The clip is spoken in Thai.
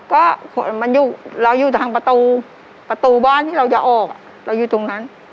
ก็คอยมันอยู่อยู่ทางประตูประตูบ้านที่เราจะออกอยู่ตรงนั้น